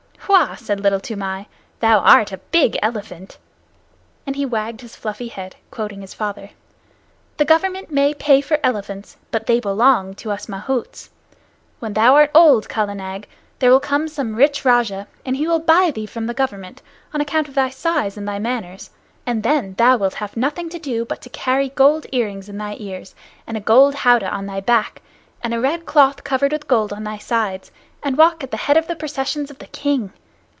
"Wah!" said Little Toomai, "thou art a big elephant," and he wagged his fluffy head, quoting his father. "The Government may pay for elephants, but they belong to us mahouts. When thou art old, Kala Nag, there will come some rich rajah, and he will buy thee from the Government, on account of thy size and thy manners, and then thou wilt have nothing to do but to carry gold earrings in thy ears, and a gold howdah on thy back, and a red cloth covered with gold on thy sides, and walk at the head of the processions of the King.